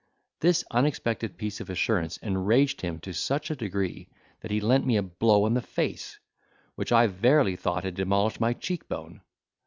This unexpected piece of assurance enraged him to such a degree, that he lent me a blow on the face, which I verily thought had demolished my cheek bone.